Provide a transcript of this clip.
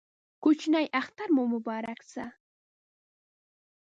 کوچینۍ اختر مو مبارک شه